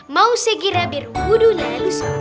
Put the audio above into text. mau segi rapir wudhu lalus